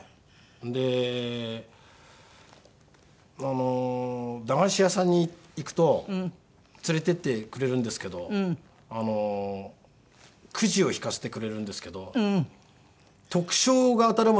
であの駄菓子屋さんに行くと連れてってくれるんですけどくじを引かせてくれるんですけど特賞が当たるまで引かせてくれるんですね。